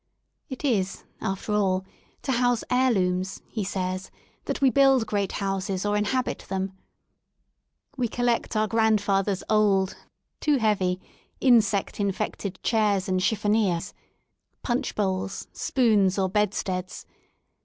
It is, after all, to house heir looms, he says, that we build great houses or inhabit them. We collect our grandfather*s old, too heavy^ insect infected chairs and chiffoniers^ punch bowls, spoons or bedsteads.